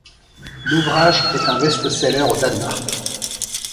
L'ouvrage est un best-seller au Danemark.